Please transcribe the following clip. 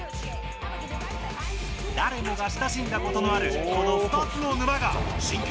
誰もが親しんだことのあるこの２つの沼が真剣！